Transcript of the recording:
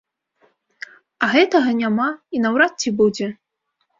А гэтага няма і наўрад ці будзе.